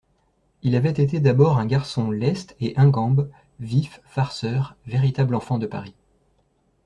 Il avait été d'abord un garçon leste et ingambe, vif, farceur, véritable enfant de Paris.